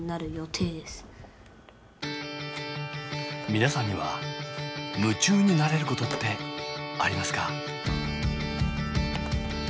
皆さんには夢中になれることってありますか？